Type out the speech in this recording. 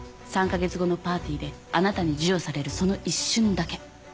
３カ月後のパーティーであなたに授与されるその一瞬だけ。